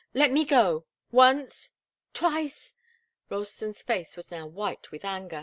Let me go once twice " Ralston's face was now white with anger.